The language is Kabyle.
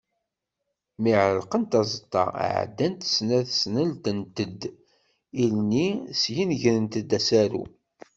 Mi ɛellqent aẓeṭṭa, ɛeddant snat sneltent-d ilni syen grent-d asaru.